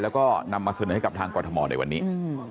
แล้วก็นำมาเสนอให้กับทางกรทมในวันนี้